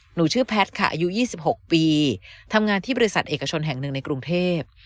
หนูชื่อแพทย์ค่ะอายุ๒๖ปีทำงานที่บริษัทเอกชนแห่งหนึ่งในกรุงเทพ